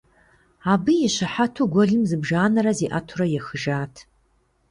Абы и щыхьэту гуэлым зыбжанэрэ зиӀэтурэ ехыжат.